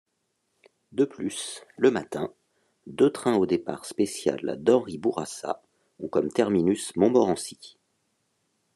De plus, le matin, deux trains au départ spécial d'Henri-Bourassa ont comme terminus Montmorency.